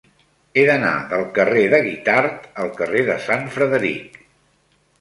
He d'anar del carrer de Guitard al carrer de Sant Frederic.